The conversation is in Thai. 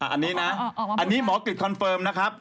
อันนี้นะอันนี้หมอกริจคอนเฟิร์มนะครับ